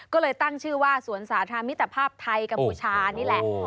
ก็เลยตั้งชื่อว่าสวนสาธารณะมิตรภาพไทยกัมพูชานี่แหละ